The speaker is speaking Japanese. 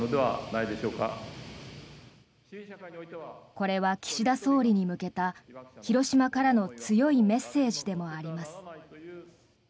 これは岸田総理に向けた広島からの強いメッセージでもあります。